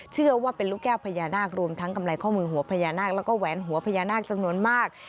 เชื่อว่าเป็นลูกแก้วพญานาครวมทั้งกำไรข้อมือหัวพญานาคแล้วก็แหวนหัวพญานาคจำนวนมาก